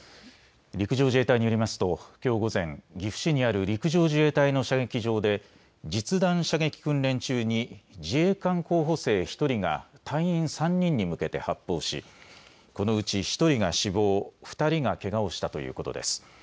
陸上自衛隊によりますときょう午前、岐阜市にある陸上自衛隊の射撃場で実弾射撃訓練中に自衛官候補生１人が隊員３人に向けて発砲しこのうち１人が死亡、２人がけがをしたということです。